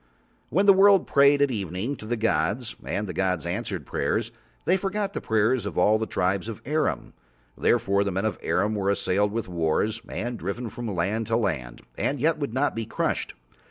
When the world prayed at evening to the gods and the gods answered prayers They forgot the prayers of all the Tribes of Arim. Therefore the men of Arim were assailed with wars and driven from land to land and yet would not be crushed.